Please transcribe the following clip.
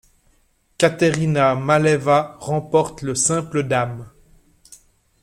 Katerina Maleeva remporte le simple dames.